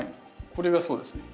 これがそうですね。